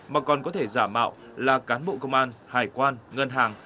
mà còn có thể giả mạo là cán bộ công an hải quan ngân hàng